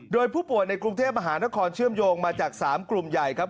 โดยผู้ป่วยในกรุงเทพมหานครเชื่อมโยงมาจาก๓กลุ่มใหญ่ครับ